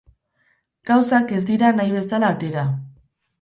Gauzak ez dira nahi bezala atera.